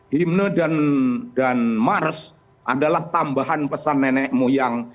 himne dan mars adalah tambahan pesan nenek moyang